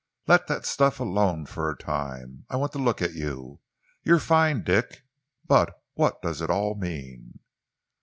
"Let that stuff alone for a time. I want to look at you. You're fine, Dick, but what does it all mean?"